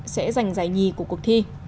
sẽ giành giải nhì của cuộc thi